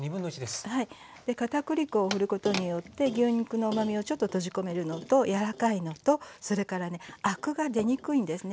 片栗粉をふることによって牛肉のうまみをちょっと閉じ込めるのと柔らかいのとそれからねアクが出にくいんですね。